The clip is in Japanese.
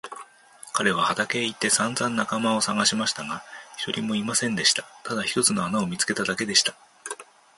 彼は畑へ行ってさんざん仲間をさがしましたが、一人もいませんでした。ただ一つの穴を見つけただけでした。